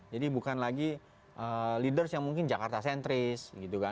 jadi bukan lagi leaders yang mungkin jakarta sentris